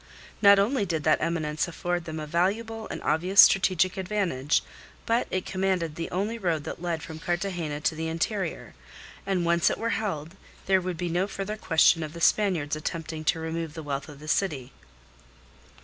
Not only did that eminence afford them a valuable and obvious strategic advantage, but it commanded the only road that led from Cartagena to the interior, and once it were held there would be no further question of the Spaniards attempting to remove the wealth of the city.